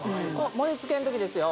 盛りつけの時ですよ